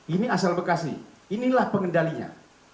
ini asal bekasi inilah pengendalinya